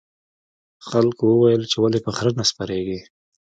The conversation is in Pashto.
خلکو وویل چې ولې په خره نه سپریږې.